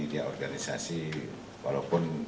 dia organisasi walaupun